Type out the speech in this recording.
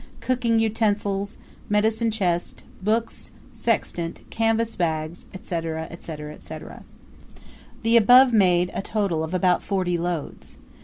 Cooking utensils, medicine chest, books, sextant, canvas bags, &c., &c., &c. The above made a total of about forty loads.